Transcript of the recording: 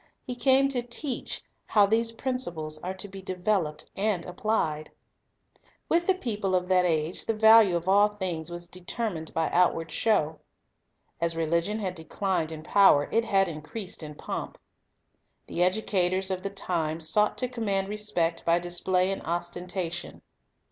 He came to teach how these principles are to be developed and applied. With the people of that age, the value of all things was determined by outward show. As religion had declined in power, it had increased in pomp. The edu cators of the time sought to command respect by display and ostentation.